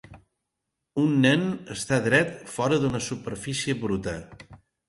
Un nen està dret fora d'una superfície bruta